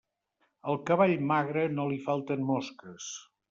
Al cavall magre no li falten mosques.